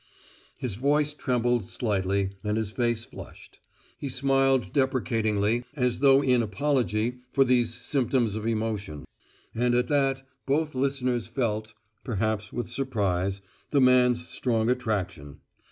His voice trembled slightly and his face flushed; he smiled deprecatingly as though in apology for these symptoms of emotion; and at that both listeners felt (perhaps with surprise) the man's strong attraction.